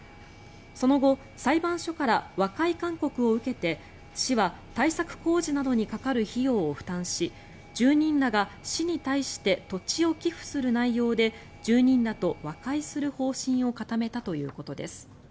その後、裁判所から和解勧告を受けて市は対策工事などにかかる費用を負担し住人らが市に対して土地を寄付する内容で住人らと和解する方針を固めたということです。